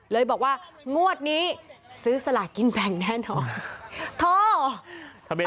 เลยบอกว่างวดนี้ซื้อสลากินแบ่งแน่นอน